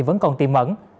vẫn còn tìm ẩn